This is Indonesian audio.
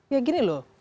ya gini loh